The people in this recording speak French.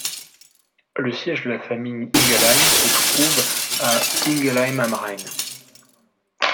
Le siège de la famille Ingelheim se trouve à Ingelheim am Rhein.